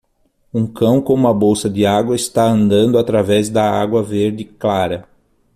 Um cão com uma bolsa de água está andando através da água verde clara.